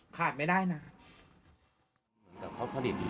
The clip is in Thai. ขาดไม่ได้นะ